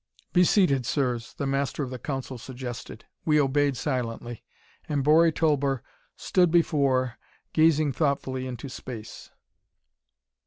"Be seated, sirs," the Master of the Council suggested. We obeyed silently, and Bori Tulber stood before, gazing thoughtfully into space.